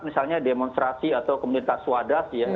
misalnya demonstrasi atau komunitas swadas